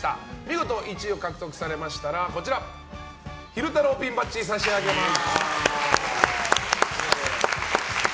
見事１位を獲得されましたら昼太郎ピンバッジを差し上げます。